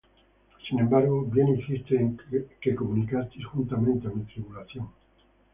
Sin embargo, bien hicisteis que comunicasteis juntamente á mi tribulación.